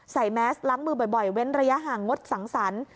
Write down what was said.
แมสล้างมือบ่อยเว้นระยะห่างงดสังสรรค์